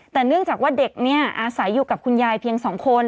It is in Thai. แต่เนื่องจากว่าเด็กเนี่ยอาศัยอยู่กับคุณยายเพียง๒คน